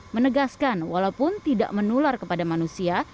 menegaskan walaupun tidak menular kepada manusia